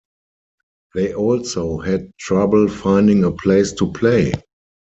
They also had trouble finding a place to play.